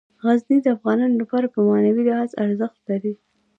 غزني د افغانانو لپاره په معنوي لحاظ ارزښت لري.